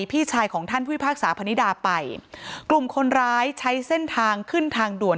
พี่ชายของท่านผู้พิพากษาพนิดาไปกลุ่มคนร้ายใช้เส้นทางขึ้นทางด่วน